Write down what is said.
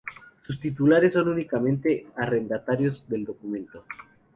Sus titulares son únicamente arrendatarios del documento.